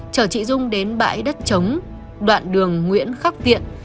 chở chị dung đến bãi đất chống đoạn đường nguyễn khắc viện